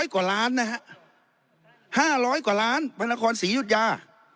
กว่าล้านนะฮะ๕๐๐กว่าล้านพระนครศรียุธยา